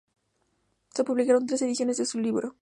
Se publicaron tres ediciones de su libro.